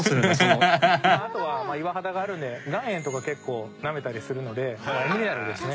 あとは岩肌があるので岩塩とか結構なめたりするのでミネラルですね